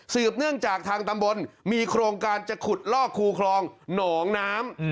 เนื่องจากทางตำบลมีโครงการจะขุดลอกคูคลองหนองน้ำ